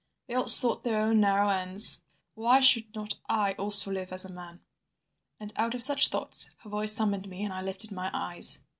They all sought their own narrow ends, and why should not I—why should not I also live as a man? And out of such thoughts her voice summoned me, and I lifted my eyes.